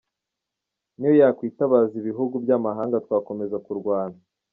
Niyo yakwitabaza ibihugu by’amahanga twakomeza kurwana’.